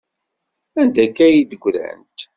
Anda akka ay d-ggrant?